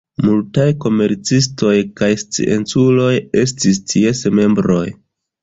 Multaj komercistoj kaj scienculoj estis ties membroj.